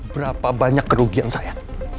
berapa banyak kerugian saya